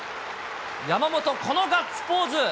山本、このガッツポーズ。